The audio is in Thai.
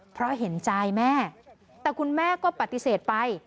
เพราะเห็นใจแม่แต่คุณแม่ก็ปฏิเสธไป